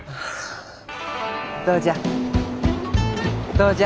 どうじゃ？